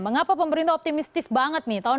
mengapa pemerintah optimistis banget nih